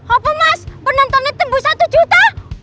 oh mas penontonnya tembus satu juta